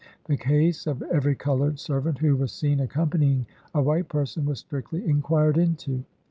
The case of every colored servant who was seen accompanying a white person was strictly inquired into.